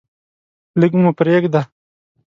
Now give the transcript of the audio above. لږ مو پریږده.